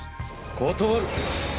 断る！